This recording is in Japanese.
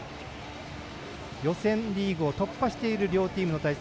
予選リーグを突破している両チームの対戦。